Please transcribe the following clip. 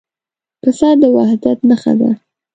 پسه د وحدت نښه ده.